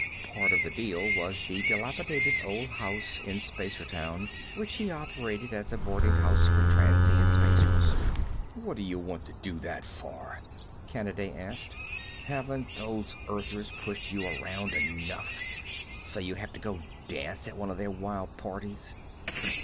Part of the deal was the dilapidated old house in Spacertown which he operated as a boarding house for transient Spacers. "What do you want to do that for?" Kanaday asked. "Haven't those Earthers pushed you around enough, so you have to go dance at one of their wild parties?"